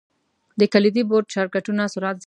د کلیدي بورډ شارټ کټونه سرعت زیاتوي.